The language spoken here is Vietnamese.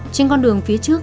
trên con đường phía trước